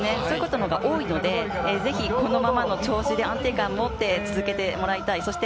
そういうことのほうが多いので、ぜひこのままの調子で安定感を持って続けてもらいたい。